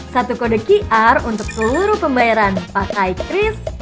satu kode qr untuk seluruh pembayaran pakai kris